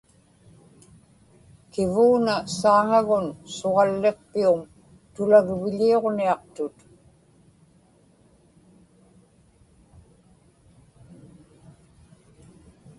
kivuuna saaŋagun suġalliqpium tulagviḷiuġniaqtut